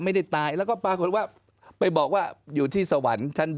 ก็ไม่ได้ตายแล้วก็บอกว่าไปบอกว่าอยู่ที่สวรรค์